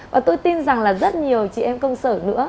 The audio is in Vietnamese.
và tôi tin rằng là rất nhiều chị em công sở nữa